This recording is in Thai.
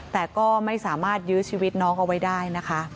แต่ก็ไม่สามารถยื้อชีวิตน้องเอาไว้ได้นะคะ